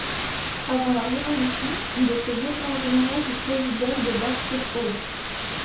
Avant la Révolution, il était lieutenant-général du présidial de Bar-sur-Aube.